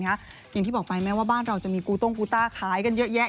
อย่างที่บอกไปแม้ว่าบ้านเราจะมีกูต้งกูต้าขายกันเยอะแยะ